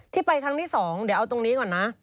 ไปครั้งที่๒เดี๋ยวเอาตรงนี้ก่อนนะ